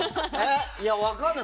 いや、分かんない。